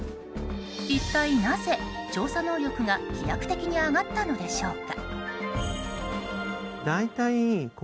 一体なぜ調査能力が飛躍的に上がったのでしょうか。